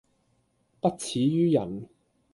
不齒於人